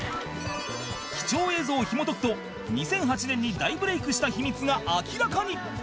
貴重映像をひもとくと２００８年に大ブレイクした秘密が明らかに！